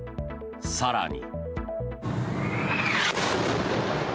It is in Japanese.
更に。